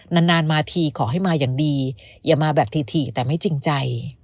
นานมาทีขอให้มาอย่างดีอย่ามาแบบถี่แต่ไม่จริงใจ